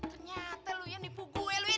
ternyata lu yang nipu gue lu ya